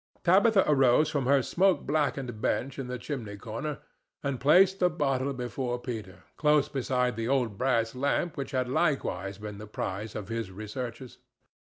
Tabitha arose from her smoke blackened bench in the chimney corner and placed the bottle before Peter, close beside the old brass lamp which had likewise been the prize of his researches.